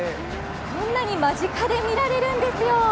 こんなに間近で見られるんですよ。